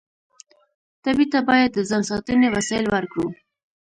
ټپي ته باید د ځان ساتنې وسایل ورکړو.